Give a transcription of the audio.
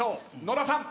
野田さん。